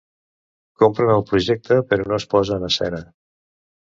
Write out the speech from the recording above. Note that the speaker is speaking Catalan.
Compren el projecte però no es posa en escena.